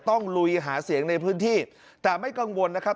ลุยหาเสียงในพื้นที่แต่ไม่กังวลนะครับ